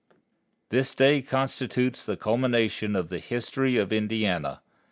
This day constitutes the culmination of the history of Indiana.